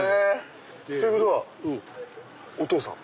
っていうことはお父さん？